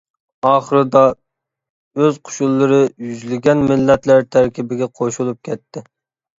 ئاخىرىدا ئۆز قوشۇنلىرى يۈزلىگەن مىللەتلەر تەركىبىگە قوشۇلۇپ كەتتى.